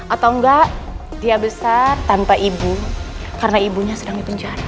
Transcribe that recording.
atau enggak dia besar tanpa ibu karena ibunya sedang dipenjara